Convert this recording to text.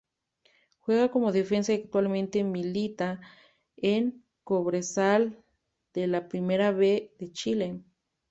Juega como Defensa y actualmente milita en Cobresal de la Primera B de Chile.